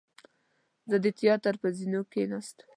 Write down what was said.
زه د تیاتر پر زینو کېناستم.